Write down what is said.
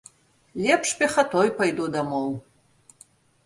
Лепш пехатой пайду дамоў.